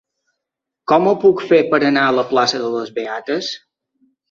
Com ho puc fer per anar a la plaça de les Beates?